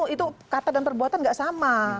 itu kata dan perbuatan gak sama